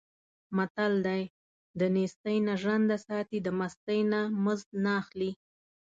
متل دی: دنېستۍ نه ژرنده ساتي، د مستۍ نه مزد نه اخلي.